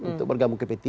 untuk bergabung ke p tiga